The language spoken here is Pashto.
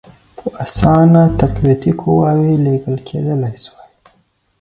په اسانه تقویتي قواوي لېږل کېدلای سوای.